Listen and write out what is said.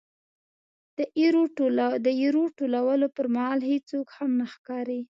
د ایرو ټولولو پرمهال هېڅوک هم نه ښکاري.